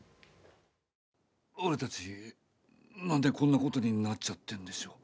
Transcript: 俺たち、なんでこんなことになっちゃってんでしょう。